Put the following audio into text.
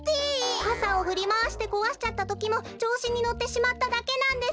かさをふりまわしてこわしちゃったときもちょうしにのってしまっただけなんです！